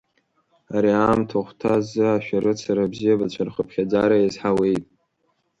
Ари аамҭахәҭа азы ашәарыцара абзиабацәа рхыԥхьаӡара иазҳауеит.